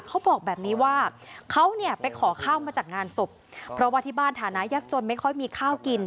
เขาบอกแบบนี้ว่าเขาเนี่ยไปขอข้าวมาจากงานศพเพราะว่าที่บ้านฐานะยากจนไม่ค่อยมีข้าวกิน